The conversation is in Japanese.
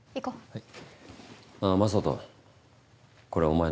はい。